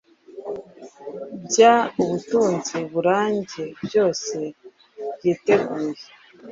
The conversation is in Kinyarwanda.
Bya ubutunzi burambye byose-byiteguye